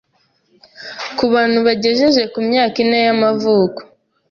ku bantu bagejeje ku myaka ine y’amavuko